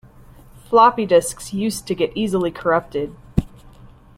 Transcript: Floppy disks used to get easily corrupted.